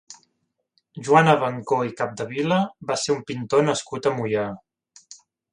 Joan Abancó i Capdevila va ser un pintor nascut a Moià.